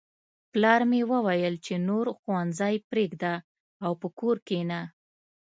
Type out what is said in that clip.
پلار مې وویل چې نور ښوونځی پریږده او په کور کښېنه